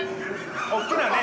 大きなね。